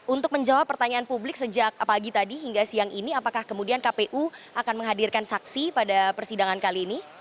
untuk menjawab pertanyaan publik sejak pagi tadi hingga siang ini apakah kemudian kpu akan menghadirkan saksi pada persidangan kali ini